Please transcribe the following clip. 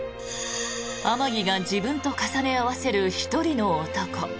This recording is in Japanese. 天樹が自分と重ね合わせる１人の男。